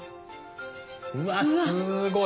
うわすごい！